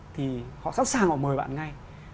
thì họ sẵn sàng họ mời bạn ngay